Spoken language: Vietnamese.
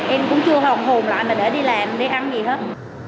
em cũng chưa hồng hồn lại mình để đi làm để ăn gì hết